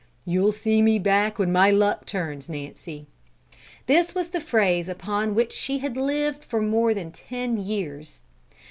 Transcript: "You'll see me back when my luck turns, Nancy;" this was the phrase upon which she had lived for more than ten years.